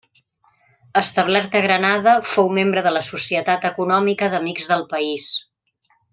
Establert a Granada, fou membre de la seva Societat Econòmica d'Amics del País.